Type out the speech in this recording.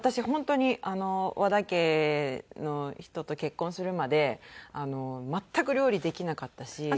本当に和田家の人と結婚するまで全く料理できなかったし。